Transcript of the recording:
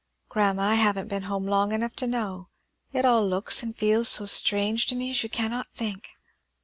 "Grandma, I haven't been home long enough to know. It all looks and feels so strange to me as you cannot think!"